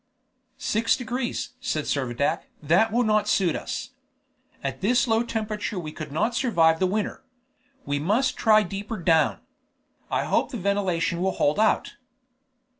"Six degrees!" said Servadac; "that will not suit us. At this low temperature we could not survive the winter. We must try deeper down. I only hope the ventilation will hold out."